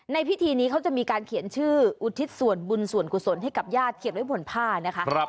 ในพิธีนี้เขาจะมีการเขียนชื่ออุทิศส่วนบุญส่วนกุศลให้กับญาติเขียนไว้บนผ้านะคะ